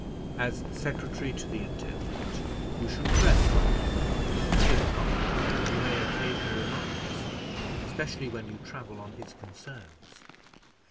As secretary to the intendant, you should dress like him; if not, you may occasion remarks, especially when you travel on his concerns."